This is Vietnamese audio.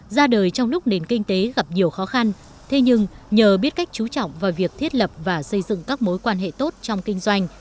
ra đời trong lúc nền kinh tế gặp nhiều khó khăn thế nhưng nhờ biết cách chú trọng vào việc thiết lập và xây dựng các mối quan hệ tốt trong kinh doanh